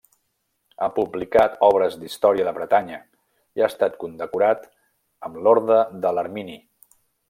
Ha publicat obres d'història de Bretanya i ha estat condecorat amb l'orde de l'Hermini.